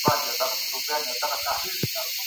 د هوښیارو خلکو خبرې د سرو زرو دي.